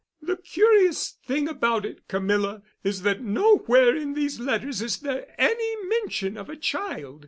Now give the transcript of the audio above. "The curious thing about it, Camilla, is that nowhere in these letters is there any mention of a child.